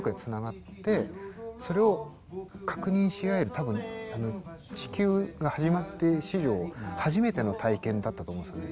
多分地球が始まって史上初めての体験だったと思うんですよね。